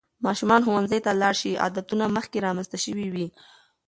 ماشومان ښوونځي ته لاړ شي، عادتونه مخکې رامنځته شوي وي.